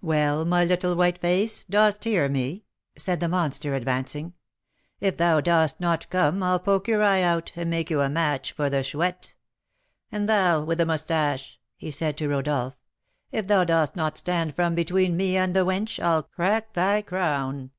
"Well, my little white face, dost hear me?" said the monster, advancing. "If thou dost not come, I'll poke your eye out, and make you a match for the Chouette. And thou with the moustache," he said to Rodolph, "if thou dost not stand from between me and the wench, I'll crack thy crown."